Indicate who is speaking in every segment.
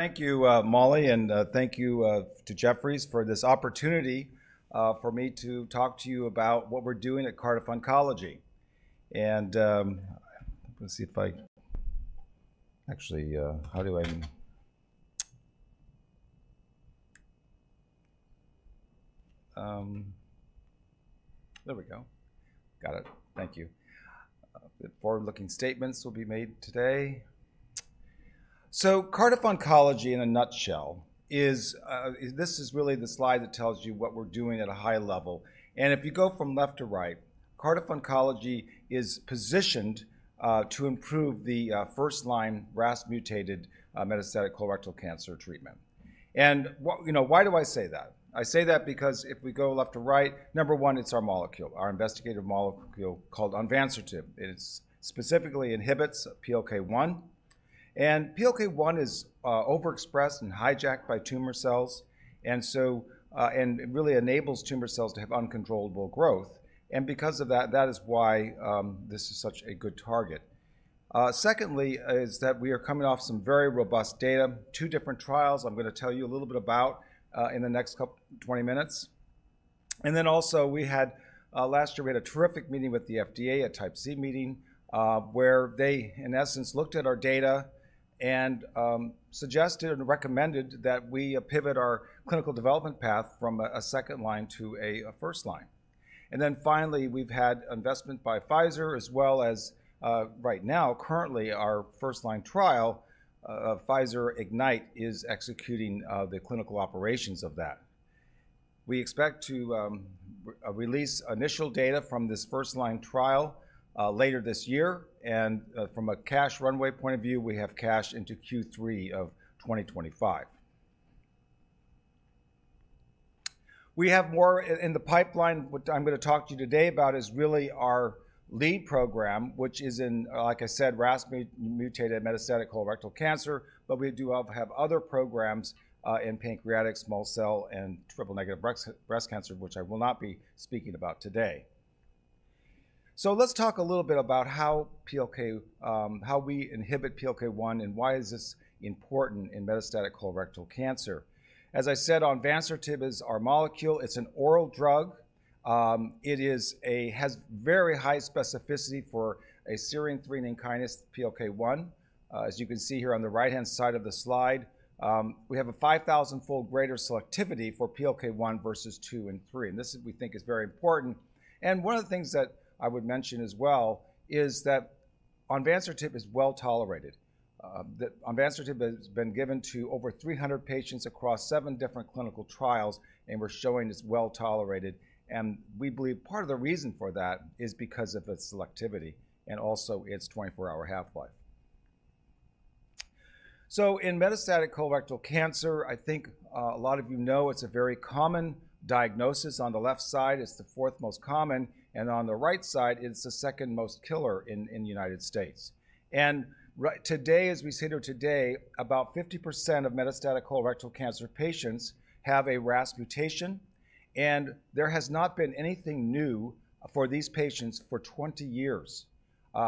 Speaker 1: Thank you, Molly, and thank you to Jefferies for this opportunity for me to talk to you about what we're doing at Cardiff Oncology. The forward-looking statements will be made today. So Cardiff Oncology, in a nutshell, is this is really the slide that tells you what we're doing at a high level. And if you go from left to right, Cardiff Oncology is positioned to improve the first-line RAS mutated metastatic colorectal cancer treatment. And you know, why do I say that? I say that because if we go left to right, number one, it's our molecule, our investigative molecule called onvansertib. It specifically inhibits PLK1, and PLK1 is, overexpressed and hijacked by tumor cells, and so, and it really enables tumor cells to have uncontrollable growth, and because of that, that is why, this is such a good target. Secondly, is that we are coming off some very robust data, two different trials. I'm gonna tell you a little bit about, in the next couple 20 minutes. And then also, we had, last year, we had a terrific meeting with the FDA, a Type C meeting, where they, in essence, looked at our data and, suggested and recommended that we, pivot our clinical development path from a, a second line to a, a first line. And then finally, we've had investment by Pfizer as well as right now, currently, our first-line trial of Pfizer Ignite is executing the clinical operations of that. We expect to release initial data from this first-line trial later this year, and from a cash runway point of view, we have cash into Q3 of 2025. We have more in the pipeline. What I'm gonna talk to you today about is really our lead program, which is in, like I said, RAS-mutated metastatic colorectal cancer, but we do have other programs in pancreatic, small cell, and triple-negative breast cancer, which I will not be speaking about today. So let's talk a little bit about how PLK, how we inhibit PLK1 and why is this important in metastatic colorectal cancer. As I said, onvansertib is our molecule. It's an oral drug. It is a, has very high specificity for a serine/threonine kinase, PLK1. As you can see here on the right-hand side of the slide, we have a 5,000-fold greater selectivity for PLK1 versus 2 and 3, and this is we think is very important. One of the things that I would mention as well is that onvansertib is well tolerated. The onvansertib has been given to over 300 patients across seven different clinical trials, and we're showing it's well tolerated, and we believe part of the reason for that is because of its selectivity and also its 24-hour half-life. So in metastatic colorectal cancer, I think, a lot of you know it's a very common diagnosis. On the left side, it's the fourth most common, and on the right side, it's the second most killer in the United States. Today, as we sit here today, about 50% of metastatic colorectal cancer patients have a RAS mutation, and there has not been anything new for these patients for 20 years.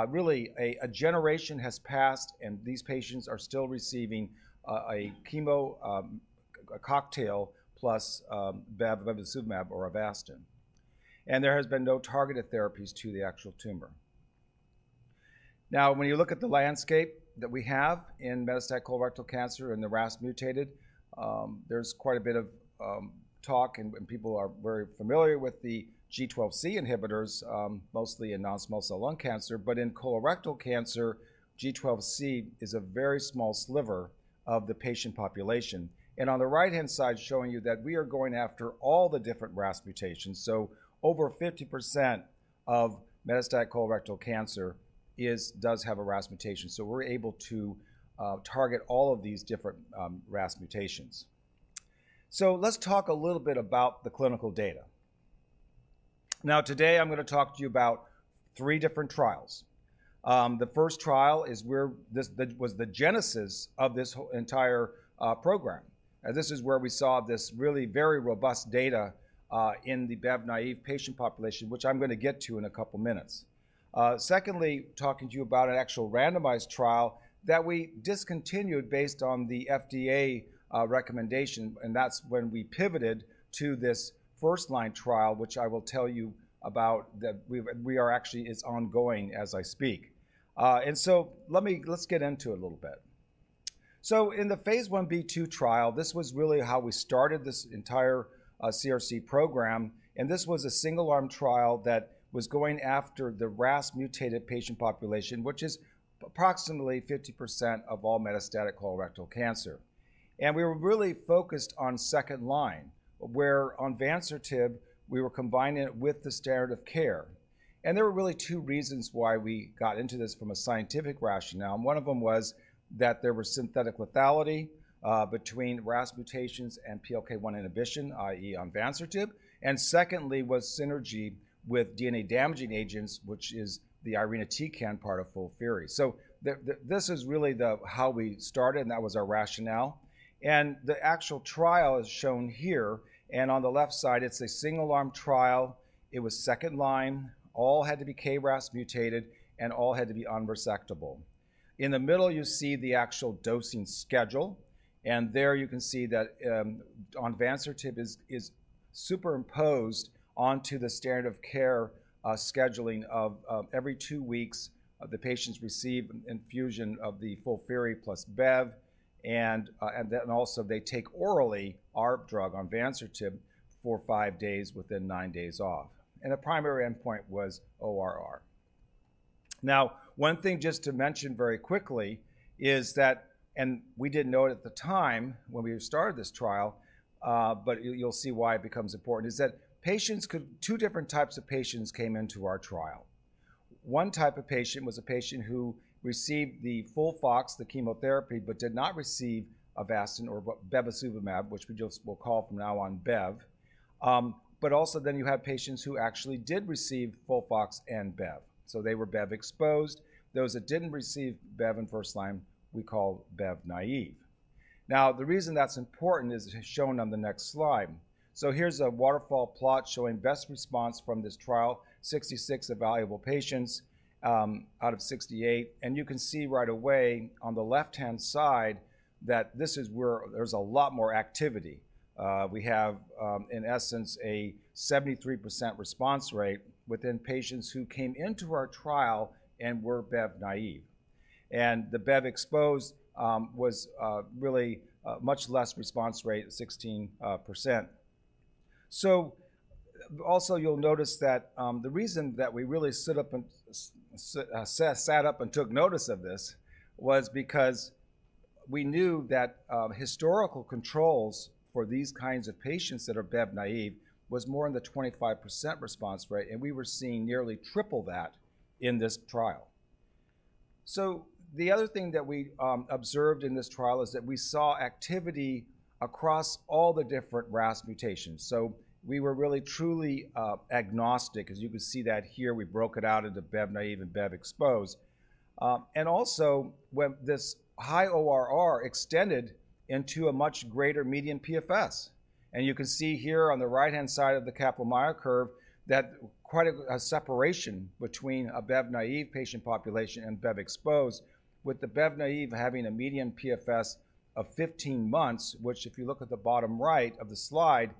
Speaker 1: Really, a generation has passed, and these patients are still receiving a chemo a cocktail plus bevacizumab or Avastin, and there has been no targeted therapies to the actual tumor. Now, when you look at the landscape that we have in metastatic colorectal cancer and the RAS-mutated, there's quite a bit of talk and people are very familiar with the G12C inhibitors, mostly in non-small cell lung cancer, but in colorectal cancer, G12C is a very small sliver of the patient population. On the right-hand side, showing you that we are going after all the different RAS-mutations. So over 50% of metastatic colorectal cancer does have a RAS mutation, so we're able to target all of these different RAS-mutations. So let's talk a little bit about the clinical data. Now, today I'm gonna talk to you about three different trials. The first trial is where this was the genesis of this entire program. And this is where we saw this really very robust data in the bevacizumab naive patient population, which I'm gonna get to in a couple minutes. Secondly, talking to you about an actual randomized trial that we discontinued based on the FDA recommendation, and that's when we pivoted to this first-line trial, which I will tell you about, that we are actually, it's ongoing as I speak. And so let me, let's get into it a little bit. So in the Phase 1b/2 trial, this was really how we started this entire CRC program, and this was a single-arm trial that was going after the RAS mutated patient population, which is approximately 50% of all metastatic colorectal cancer. And we were really focused on second-line, where onvansertib, we were combining it with the standard of care. There were really two reasons why we got into this from a scientific rationale, and one of them was that there was synthetic lethality between RAS mutations and PLK1 inhibition, i.e., onvansertib. And secondly, was synergy with DNA-damaging agents, which is the irinotecan part of FOLFIRI. So this is really how we started, and that was our rationale. And the actual trial is shown here, and on the left side, it's a single-arm trial. It was second line. All had to be KRAS-mutated, and all had to be unresectable. In the middle, you see the actual dosing schedule, and there you can see that onvansertib is superimposed onto the standard of care scheduling of every two weeks, the patients receive an infusion of the FOLFIRI plus Bev, and then also they take orally our drug, onvansertib, for five days within nine days off. And the primary endpoint was ORR. Now, one thing just to mention very quickly is that, and we didn't know it at the time when we started this trial, but you, you'll see why it becomes important, is that patients could, two different types of patients came into our trial. One type of patient was a patient who received the FOLFOX, the chemotherapy, but did not receive Avastin or bevacizumab, which we just will call from now on bev. But also, then you have patients who actually did receive FOLFOX and bev. So they were bev-exposed. Those that didn't receive bev in first line, we call bev-naive. Now, the reason that's important is shown on the next slide. So here's a waterfall plot showing best response from this trial, 66 evaluable patients, out of 68, and you can see right away on the left-hand side that this is where there's a lot more activity. We have, in essence, a 73% response rate within patients who came into our trial and were bev-naive. And the bev-exposed was really much less response rate, 16%. So also you'll notice that, the reason that we really sat up and took notice of this was because we knew that, historical controls for these kinds of patients that are bev-naive was more in the 25% response rate, and we were seeing nearly triple that in this trial. So the other thing that we observed in this trial is that we saw activity across all the different RAS mutations. So we were really, truly, agnostic, as you can see that here. We broke it out into bev-naive and bev-exposed. And also, when this high ORR extended into a much greater median PFS, and you can see here on the right-hand side of the Kaplan-Meier curve, that quite a separation between a bev-naive patient population and Bev exposed, with the bev-naive having a median PFS of 15 months, which, if you look at the bottom right of the slide,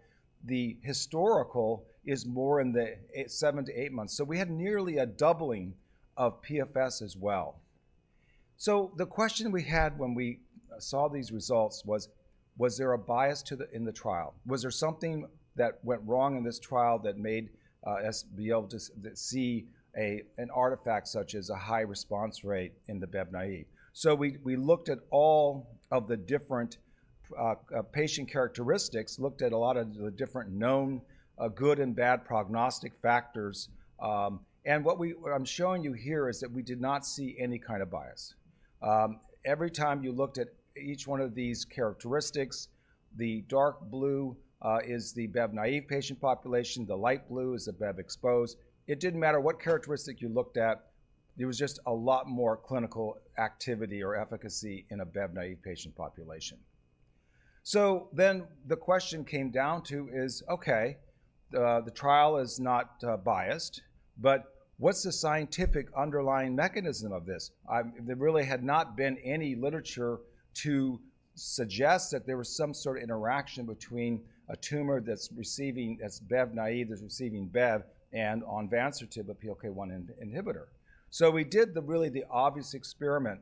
Speaker 1: the historical is more in the 7-8 months. So we had nearly a doubling of PFS as well. So the question we had when we saw these results was, was there a bias in the trial? Was there something that went wrong in this trial that made us be able to see an artifact such as a high response rate in the bev-naive? So we looked at all of the different patient characteristics, looked at a lot of the different known good and bad prognostic factors, and what I'm showing you here is that we did not see any kind of bias. Every time you looked at each one of these characteristics, the dark blue is the bev-naive patient population, the light blue is the bev-exposed. It didn't matter what characteristic you looked at, there was just a lot more clinical activity or efficacy in a bev-naive patient population. So then the question came down to is, okay, the trial is not biased, but what's the scientific underlying mechanism of this? There really had not been any literature to suggest that there was some sort of interaction between a tumor that's receiving, that's bev-naive, that's receiving bev, and onvansertib, a PLK1 inhibitor. So we did the really obvious experiment.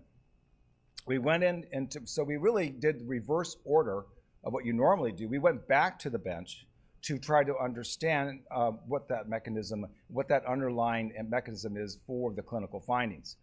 Speaker 1: We went in. So we really did the reverse order of what you normally do. We went back to the bench to try to understand what that mechanism, what that underlying mechanism is for the clinical findings.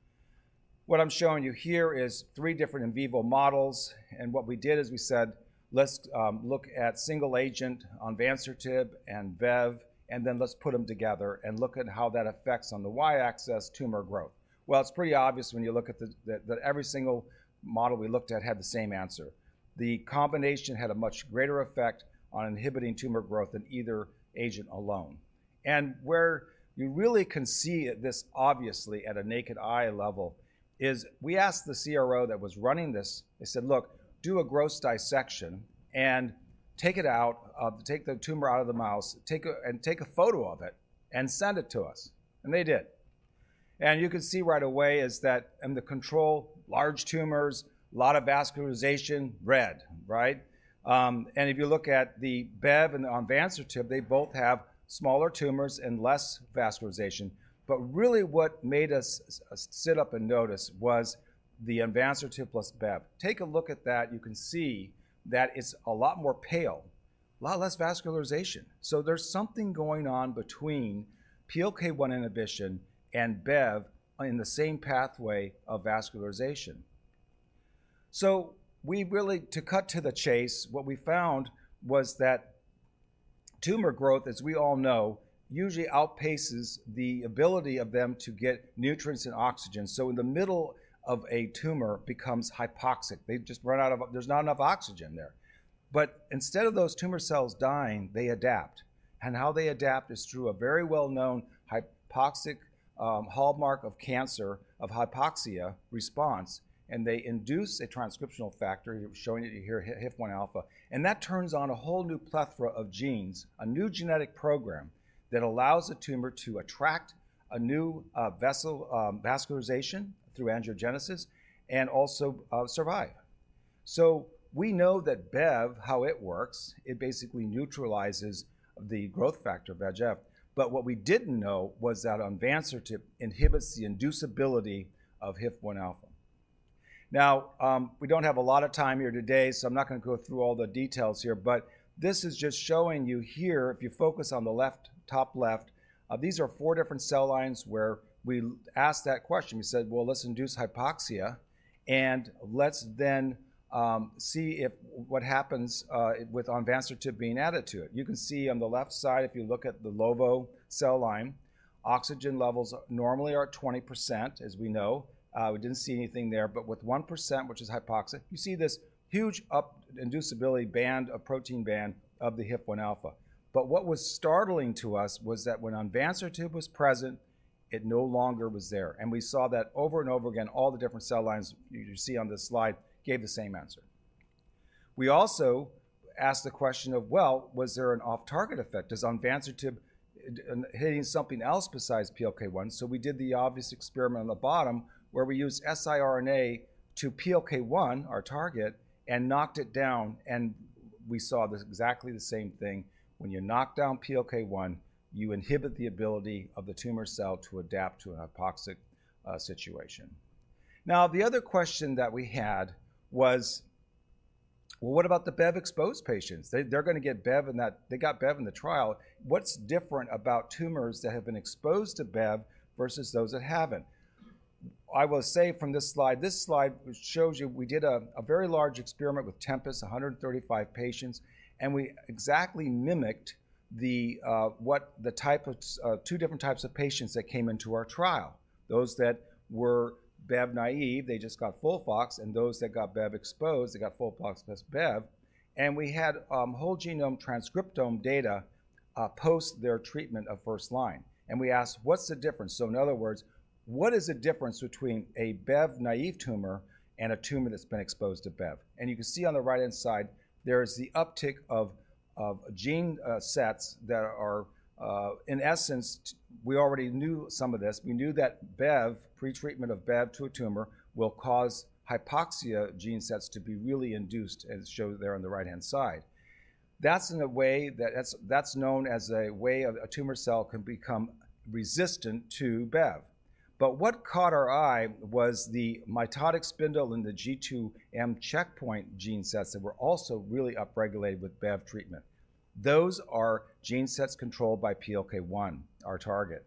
Speaker 1: What I'm showing you here is three different in vivo models, and what we did is we said, "Let's look at single agent, onvansertib and bev, and then let's put them together and look at how that affects on the Y-axis tumor growth." Well, it's pretty obvious when you look at that every single model we looked at had the same answer. The combination had a much greater effect on inhibiting tumor growth than either agent alone. And where you really can see this obviously at a naked eye level is we asked the CRO that was running this, we said, "Look, do a gross dissection and take it out, take the tumor out of the mouse, and take a photo of it, and send it to us." And they did. And you can see right away is that in the control, large tumors, a lot of vascularization, red, right? And if you look at the bev and the onvansertib, they both have smaller tumors and less vascularization. But really what made us sit up and notice was the onvansertib plus bev. Take a look at that, you can see that it's a lot more pale, a lot less vascularization. So there's something going on between PLK1 inhibition and bev in the same pathway of vascularization. So we really, to cut to the chase, what we found was that tumor growth, as we all know, usually outpaces the ability of them to get nutrients and oxygen. So in the middle of a tumor becomes hypoxic. They've just run out of. There's not enough oxygen there. But instead of those tumor cells dying, they adapt, and how they adapt is through a very well-known hypoxic hallmark of cancer, of hypoxia response, and they induce a transcriptional factor, showing it here, HIF-1 alpha, and that turns on a whole new plethora of genes, a new genetic program that allows the tumor to attract a new vessel vascularization through angiogenesis and also survive. So we know that bev, how it works, it basically neutralizes the growth factor, VEGF. But what we didn't know was that onvansertib inhibits the inducibility of HIF-1 alpha. Now, we don't have a lot of time here today, so I'm not gonna go through all the details here, but this is just showing you here, if you focus on the left, top left, these are four different cell lines where we asked that question. We said, "Well, let's induce hypoxia, and let's then see if what happens with onvansertib being added to it." You can see on the left side, if you look at the LoVo cell line, oxygen levels normally are at 20%, as we know. We didn't see anything there, but with 1%, which is hypoxic, you see this huge up-inducibility band, a protein band of the HIF-1 alpha. But what was startling to us was that when onvansertib was present, it no longer was there. And we saw that over and over again, all the different cell lines you see on this slide gave the same answer. We also asked the question of, well, was there an off-target effect? Is onvansertib hitting something else besides PLK1? So we did the obvious experiment on the bottom, where we used siRNA to PLK1, our target, and knocked it down, and we saw exactly the same thing. When you knock down PLK1, you inhibit the ability of the tumor cell to adapt to a hypoxic situation. Now, the other question that we had was, well, what about the bev-exposed patients? They're gonna get bev in that. They got bev in the trial. What's different about tumors that have been exposed to bev versus those that haven't? I will say from this slide, this slide shows you we did a very large experiment with Tempus, 135 patients, and we exactly mimicked the type of two different types of patients that came into our trial. Those that were bev-naive, they just got FOLFOX, and those that got bev-exposed, they got FOLFOX plus bev. And we had whole genome transcriptome data post their treatment of first line, and we asked, what's the difference? So in other words, what is the difference between a bev-naive tumor and a tumor that's been exposed to beva? And you can see on the right-hand side, there is the uptick of gene sets that are in essence we already knew some of this. We knew that bev, pretreatment of bev to a tumor, will cause hypoxia gene sets to be really induced and shown there on the right-hand side. That's in a way that's known as a way a tumor cell can become resistant to bev. But what caught our eye was the mitotic spindle in the G2M checkpoint gene sets that were also really upregulated with bev treatment. Those are gene sets controlled by PLK1, our target,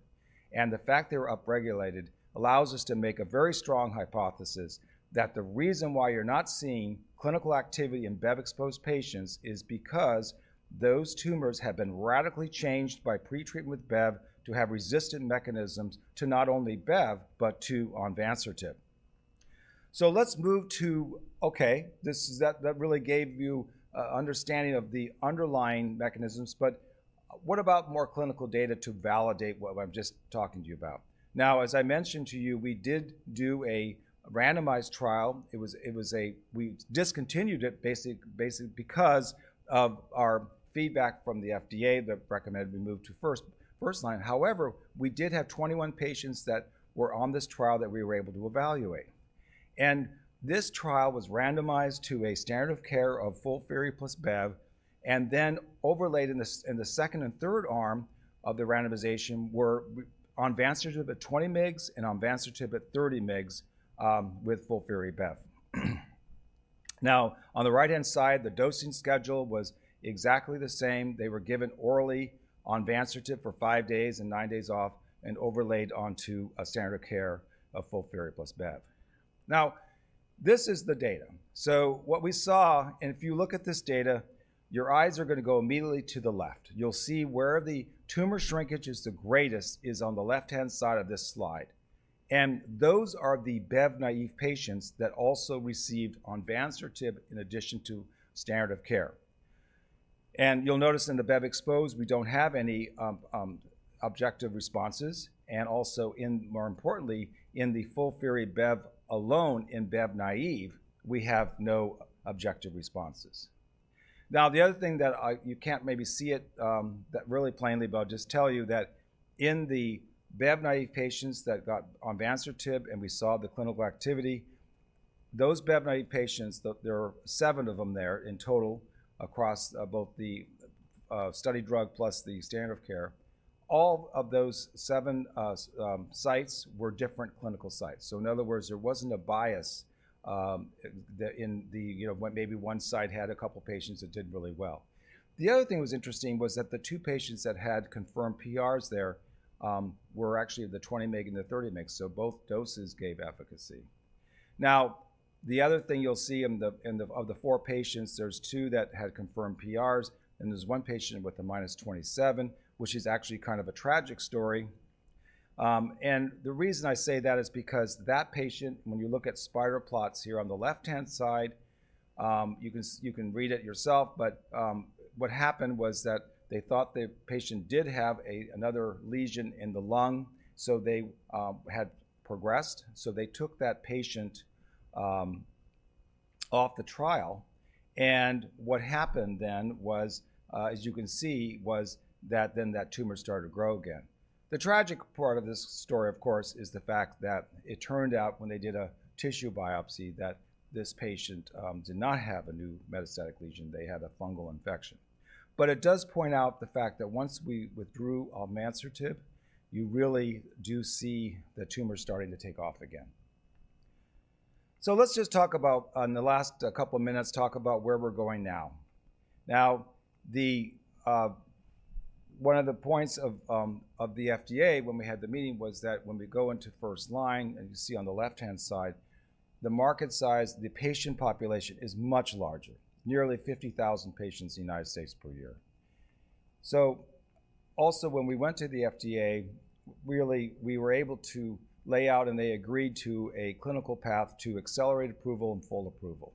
Speaker 1: and the fact they were upregulated allows us to make a very strong hypothesis that the reason why you're not seeing clinical activity in bev-exposed patients is because those tumors have been radically changed by pretreatment with bev to have resistant mechanisms to not only bev, but to onvansertib. So let's move to... Okay, this really gave you understanding of the underlying mechanisms, but what about more clinical data to validate what I'm just talking to you about? Now, as I mentioned to you, we did do a randomized trial. It was. We discontinued it basically because of our feedback from the FDA that recommended we move to first line. However, we did have 21 patients that were on this trial that we were able to evaluate. And this trial was randomized to a standard of care of FOLFIRI plus bevacizumab, and then overlaid in the second and third arm of the randomization were onvansertib at 20 mg and onvansertib at 30 mg with FOLFIRI bevacizumab. Now, on the right-hand side, the dosing schedule was exactly the same. They were given orally onvansertib for 5 days and 9 days off and overlaid onto a standard of care of FOLFIRI plus bev. Now, this is the data. So what we saw, and if you look at this data, your eyes are gonna go immediately to the left. You'll see where the tumor shrinkage is the greatest is on the left-hand side of this slide. And those are the bev-naive patients that also received onvansertib in addition to standard of care. And you'll notice in the bev-exposed, we don't have any objective responses, and also in, more importantly, in the FOLFIRI bev alone, in bev-naive, we have no objective responses. Now, the other thing that I... You can't maybe see it, that really plainly, but I'll just tell you that in the bev-naive patients that got onvansertib, and we saw the clinical activity, those bev-naive patients, there were seven of them there in total across both the study drug plus the standard of care. All of those seven sites were different clinical sites. So in other words, there wasn't a bias in the, you know, when maybe one site had a couple of patients that did really well. The other thing that was interesting was that the two patients that had confirmed PRs there were actually the 20 mg and the 30 mg, so both doses gave efficacy. Now, the other thing you'll see in the four patients, there's two that had confirmed PRs, and there's one patient with a -27, which is actually kind of a tragic story. And the reason I say that is because that patient, when you look at spider plots here on the left-hand side, you can read it yourself, but what happened was that they thought the patient did have another lesion in the lung, so they had progressed. So they took that patient off the trial. And what happened then was, as you can see, was that then that tumor started to grow again. The tragic part of this story, of course, is the fact that it turned out when they did a tissue biopsy, that this patient, did not have a new metastatic lesion, they had a fungal infection. But it does point out the fact that once we withdrew onvansertib, you really do see the tumor starting to take off again. So let's just talk about, on the last couple of minutes, talk about where we're going now. Now, the, one of the points of, of the FDA when we had the meeting was that when we go into first line, and you see on the left-hand side, the market size, the patient population is much larger, nearly 50,000 patients in the United States per year. So also, when we went to the FDA, really, we were able to lay out, and they agreed to a clinical path to accelerate approval and full approval.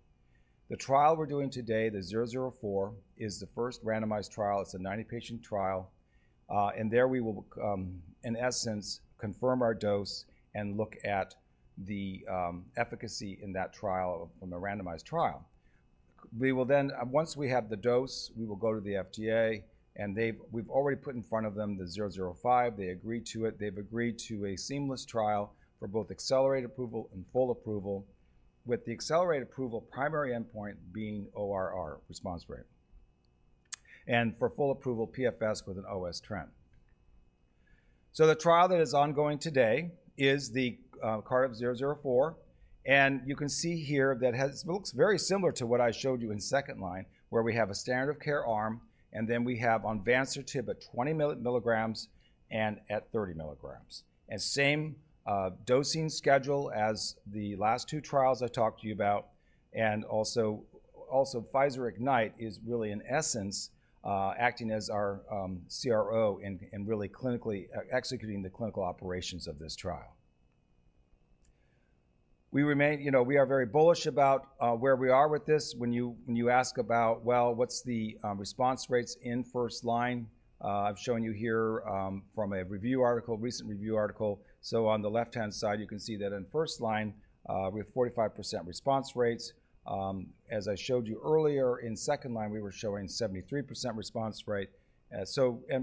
Speaker 1: The trial we're doing today, the 004, is the first randomized trial. It's a 90-patient trial, and there we will, in essence, confirm our dose and look at the efficacy in that trial from a randomized trial. We will then. Once we have the dose, we will go to the FDA, and they've. We've already put in front of them the 005. They agreed to it. They've agreed to a seamless trial for both accelerated approval and full approval, with the accelerated approval, primary endpoint being ORR, response rate. And for full approval, PFS with an OS trend. So the trial that is ongoing today is the Cardiff 004, and you can see here that looks very similar to what I showed you in second line, where we have a standard of care arm, and then we have onvansertib at 20 mg and at 30 mg. And same dosing schedule as the last two trials I talked to you about, and also, Pfizer Ignite is really, in essence, acting as our CRO and really clinically executing the clinical operations of this trial. We remain, you know, we are very bullish about where we are with this. When you ask about, well, what's the response rates in first line? I've shown you here from a review article, recent review article. So on the left-hand side, you can see that in first line, we have 45% response rates. As I showed you earlier, in second line, we were showing 73% response rate.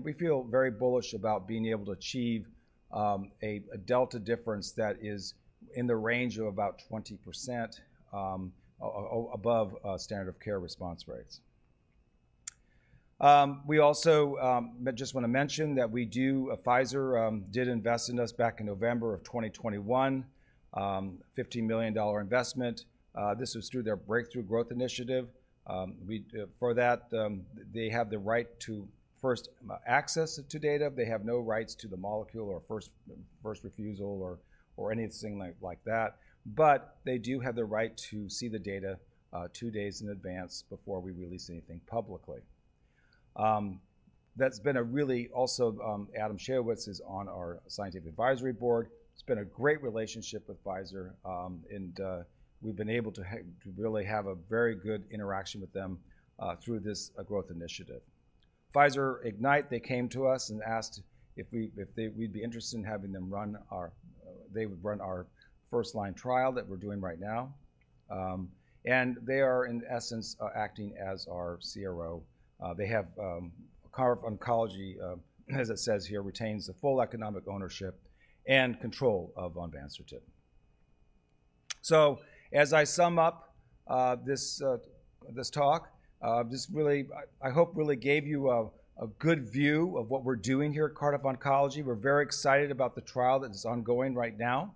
Speaker 1: We feel very bullish about being able to achieve a delta difference that is in the range of about 20% above standard of care response rates. We also just wanna mention that we do... Pfizer did invest in us back in November of 2021, $15 million investment. This was through their Breakthrough Growth Initiative. We, for that, they have the right to first access to data. They have no rights to the molecule or first refusal or anything like that, but they do have the right to see the data two days in advance before we release anything publicly. That's been a really also Adam Schaywitz is on our scientific advisory board. It's been a great relationship with Pfizer, and we've been able to really have a very good interaction with them through this growth initiative. Pfizer Ignite, they came to us and asked if we, if they, we'd be interested in having them run our they would run our first-line trial that we're doing right now. And they are, in essence, acting as our CRO. They have Cardiff Oncology, as it says here, retains the full economic ownership and control of onvansertib. So as I sum up, this talk, this really, I hope really gave you a good view of what we're doing here at Cardiff Oncology. We're very excited about the trial that is ongoing right now.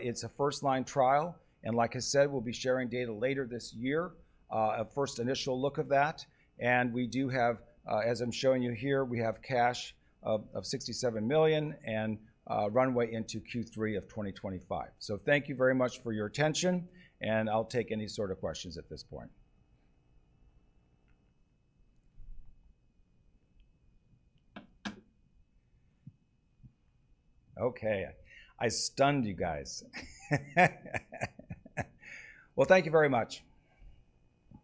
Speaker 1: It's a first-line trial, and like I said, we'll be sharing data later this year, a first initial look of that. And we do have, as I'm showing you here, we have cash of $67 million and runway into Q3 of 2025. So thank you very much for your attention, and I'll take any sort of questions at this point. Okay, I stunned you guys. Well, thank you very much.